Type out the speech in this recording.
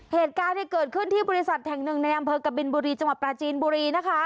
เหตุการณ์ที่เกิดขึ้นที่บริษัทแห่งหนึ่งในอำเภอกบินบุรีจังหวัดปราจีนบุรีนะคะ